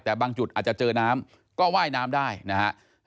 แต่บางจุดอาจจะเจอน้ำก็ว่ายน้ำได้นะฮะ